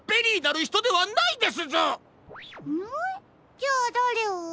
じゃあだれを？